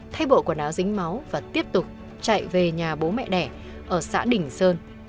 thay bộ quần áo dính máu và tiếp tục chạy về nhà bố mẹ đẻ ở xã đình sơn